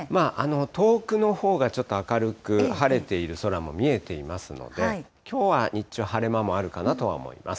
遠くのほうがちょっと明るく、晴れている空も見えていますので、きょうは日中、晴れ間もあるかなとは思います。